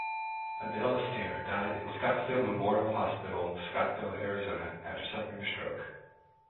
Adele Astaire died in Scottsdale Memorial Hospital, Scottsdale, Arizona, after suffering a stroke.